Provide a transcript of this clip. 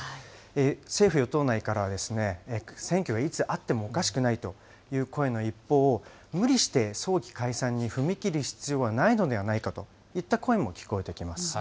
政府・与党内からは、選挙がいつあってもおかしくないという声の一方、無理して早期解散に踏み切る必要はないのではないかといった声も聞こえてきます。